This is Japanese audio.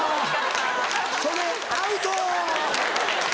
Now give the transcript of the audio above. それアウト！